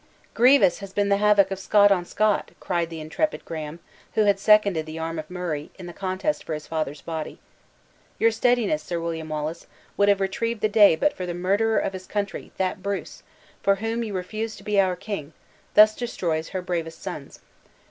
"Grievous has been the havoc of Scot on Scot!" cried the intrepid Graham, who had seconded the arm of Murray in the contest for his father's body. "Your steadiness, Sir William Wallace, would have retrieved the day but for the murderer of his country; that Bruce, for whom you refused to be our king, thus destroys her bravest sons.